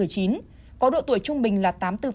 có độ tuổi trung bình là tám mươi bốn